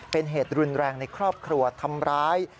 เป็นเหตุรุนแรงในครอบครัวทำร้าย